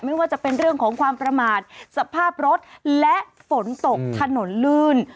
ไม่ว่าจะเป็นเรื่องของความประมาทสภาพรถและฝนตกถนนลื่น